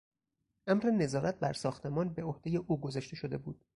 امر نظارت بر ساختمان به عهدهی او گذاشته شده بود.